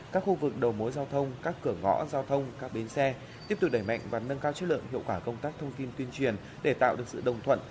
các khu vực đầu mối giao thông các cửa ngõ giao thông các bến xe tiếp tục đẩy mạnh và nâng cao chất lượng hiệu quả công tác thông tin tuyên truyền để tạo được sự đồng thuận